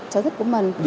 sở thích của mình